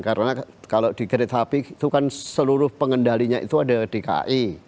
karena kalau di kereta api itu kan seluruh pengendalinya itu ada dki